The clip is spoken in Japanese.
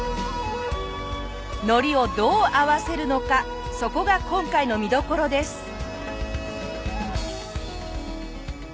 海苔をどう合わせるのかそこが今回の見どころです。